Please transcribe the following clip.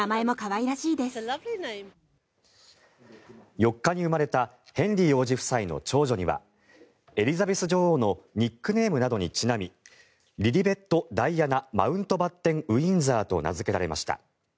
４日に生まれたヘンリー王子夫妻の長女にはエリザベス女王のニックネームなどにちなみリリベット・ダイアナ・マウントバッテン・ウィンザーと名付けられました。